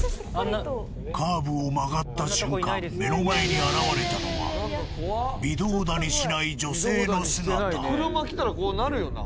カーブを曲がった瞬間目の前に現れたのは微動だにしない女性の姿車来たらこうなるよな？